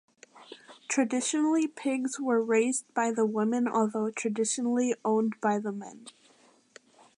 Traditionally pigs were raised by the women although traditionally owned by the men.